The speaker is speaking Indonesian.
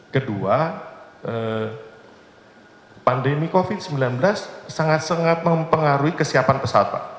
kedua pandemi covid sembilan belas sangat sangat mempengaruhi kesiapan pesawat pak